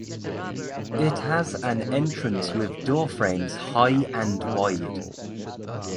It has an entrance with door frames high and wide.